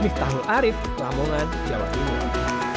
mihtal arief ramungan jawa timur